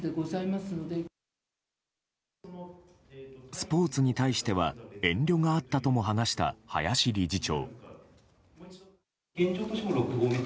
スポーツに対しては遠慮があったとも話した林理事長。